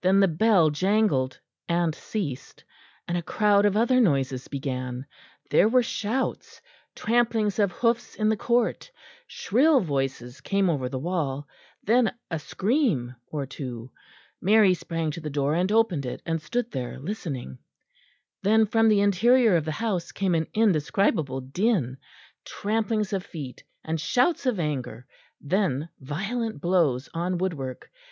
Then the bell jangled and ceased; and a crowd of other noises began; there were shouts, tramplings of hoofs in the court; shrill voices came over the wall; then a scream or two. Mary sprang to the door and opened it, and stood there listening. Then from the interior of the house came an indescribable din, tramplings of feet and shouts of anger; then violent blows on woodwork.